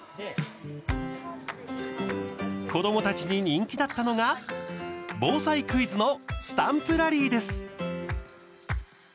子どもたちに人気だったのが防災クイズのスタンプラリーです。